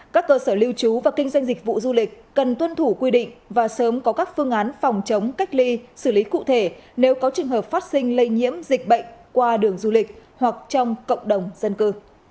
các cơ sở lưu trú và kinh doanh dịch vụ du lịch cần tuân thủ quy định và sớm có các phương án phòng chống cách ly xử lý cụ thể nếu có trường hợp phát sinh lây nhiễm dịch bệnh qua đường du lịch hoặc trong cộng đồng dân cư